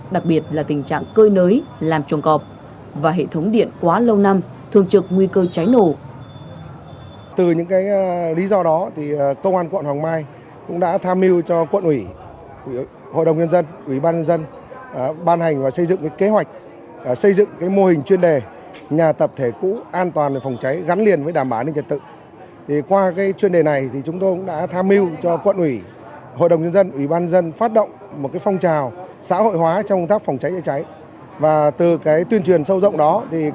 đặc biệt là tình trạng cơi nới làm trồng cọp và hệ thống điện quá lâu năm thường trực nguy cơ cháy nổ